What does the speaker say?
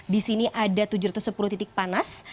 di sini ada tujuh ratus sepuluh titik panas